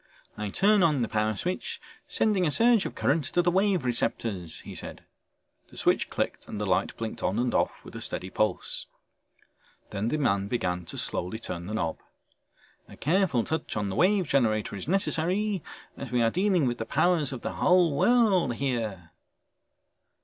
"I turn on the Power Switch, sending a surge of current to the Wave Receptors," he said. The switch clicked and the light blinked on and off with a steady pulse. Then the man began to slowly turn the knob. "A careful touch on the Wave Generator is necessary as we are dealing with the powers of the whole world here...."